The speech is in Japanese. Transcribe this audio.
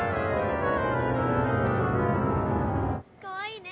かわいいね。